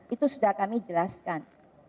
itu sudah kami jelaskan